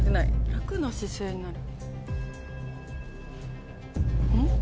「楽な姿勢になる」。